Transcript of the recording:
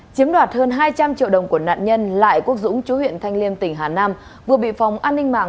chiếm đoạt hơn hai trăm linh triệu đồng của nạn nhân lại quốc dũng chú huyện thanh liêm tỉnh hà nam vừa bị phòng an ninh mạng